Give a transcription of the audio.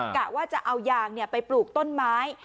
กะว่าจะเอายางไปปลูกต้นไม้